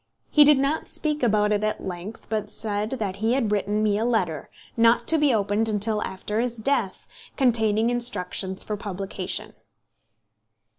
He did not speak about it at length, but said that he had written me a letter, not to be opened until after his death, containing instructions for publication.